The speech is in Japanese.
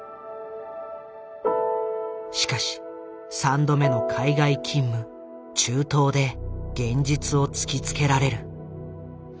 しかし３度目の海外勤務中東で現実を突きつけられる。